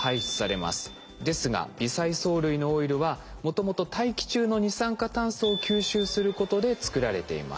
ですが微細藻類のオイルはもともと大気中の二酸化炭素を吸収することで作られています。